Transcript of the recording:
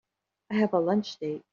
I have a lunch date.